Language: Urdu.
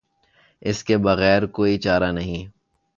اس کے بغیر کوئی چارہ نہیں۔